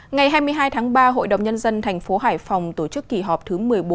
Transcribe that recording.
ngày hai mươi hai tháng ba hội đồng nhân dân thành phố hải phòng tổ chức kỳ họp thứ một mươi bốn